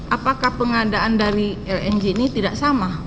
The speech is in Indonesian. apakah pengadaan dari lng ini tidak sama